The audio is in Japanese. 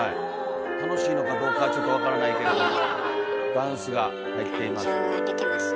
楽しいのかどうかちょっと分からないけれどダンスが入っています。